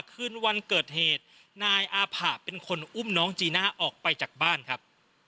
คืนวันเกิดเหตุนายอาผะเป็นคนอุ้มน้องจีน่าออกไปจากบ้านครับ